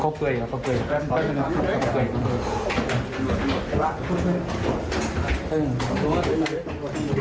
เขาก็เกลืออีก